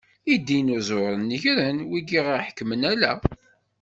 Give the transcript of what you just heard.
Idinuzuren negren wigi i aɣ-iḥekmen ala.